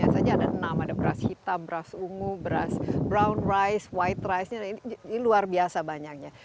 biasanya ada enam ada beras hitam beras ungu beras brown rice white rice nya ini luar biasa banyaknya